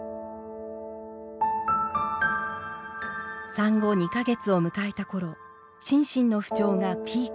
産後２か月を迎えた頃心身の不調がピークに。